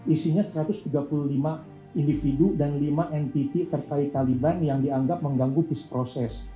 isinya satu ratus tiga puluh lima individu dan lima entiti terkait taliban yang dianggap mengganggu peace process